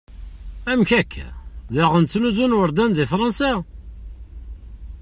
Amek akka? Daɣen ttnuzun wurḍan di Fransa?